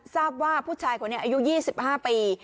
ทราบว่าผู้ชายคนนี้อายุ๒๕ปี